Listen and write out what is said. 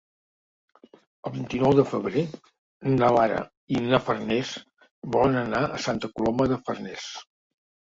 El vint-i-nou de febrer na Lara i na Farners volen anar a Santa Coloma de Farners.